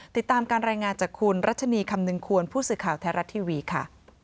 ติดตามการรายงานจากคุณรัชนีคำนึงควรผู้สื่อข่าวไทยรัฐทีวีค่ะ